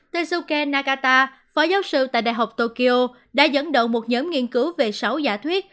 techsuken nakata phó giáo sư tại đại học tokyo đã dẫn đầu một nhóm nghiên cứu về sáu giả thuyết